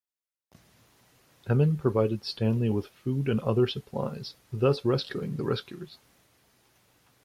Emin provided Stanley with food and other supplies, thus rescuing the rescuers.